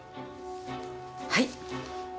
はい。